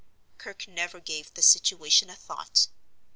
Kirke never gave the situation a thought.